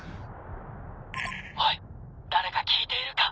おい誰か聞いているか。